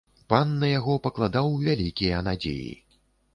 Пан на яго пакладаў вялікія надзеі.